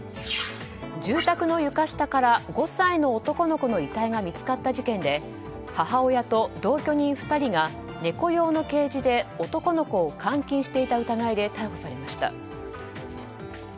住宅の床下から５歳の男の子の遺体が見つかった事件で母親と同居人２人が猫用のケージで男の子を監禁していた疑いで逮捕されました。